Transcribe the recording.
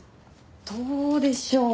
どうでしょう？